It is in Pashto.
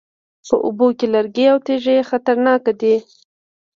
په اوبو کې لرګي او تیږې خطرناکې دي